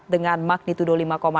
dengan magnitudo lima enam